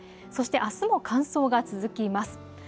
そしてあすも乾燥が続きます。